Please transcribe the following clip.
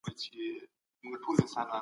پانګوال په خپل اختیار سره تولیدات کوي.